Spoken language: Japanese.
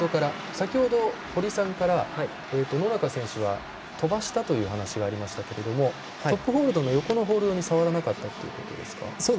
先ほど、堀さんから野中選手は飛ばしたというお話がありましたけれどもトップホールドの横のホールドに触らなかったということですか？